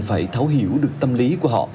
phải thấu hiểu được tâm lý của họ